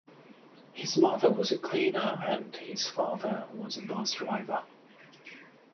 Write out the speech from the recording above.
His mother was a cleaner and his father was a bus driver.